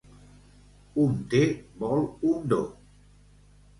Un té vol un do.